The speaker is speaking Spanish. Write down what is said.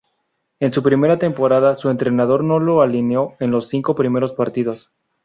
En su primera temporada, su entrenador no lo alineó en los cinco primeros partidos.